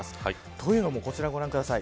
というのもこちらをご覧ください。